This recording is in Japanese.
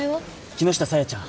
木下沙耶ちゃん。